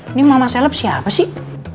ini mama seleb siapa sih